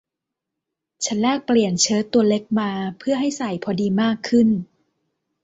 ฉันแลกเปลี่ยนเชิ้ตตัวเล็กมาเพื่อให้ใส่พอดีมากขึ้น